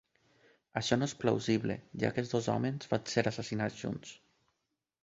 Això no és plausible, ja que els dos homes van ser assassinats junts.